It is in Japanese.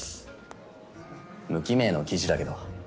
無記名の記事だけど。